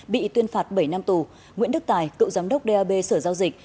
bị tuyên phạt bảy năm tù nguyễn đức tài cựu giám đốc dap sở giao dịch